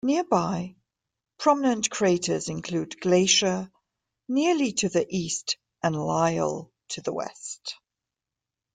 Nearby prominent craters include Glaisher nearly to the east and Lyell to the west.